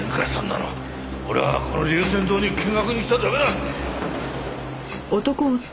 俺はこの龍泉洞に見学に来ただけだ！